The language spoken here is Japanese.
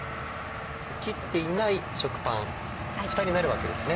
切っていない食パンフタになるわけですね。